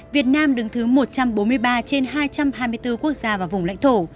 việt nam đứng thứ một trăm bốn mươi ba trên hai trăm hai mươi bốn quốc gia và vùng lãnh thổ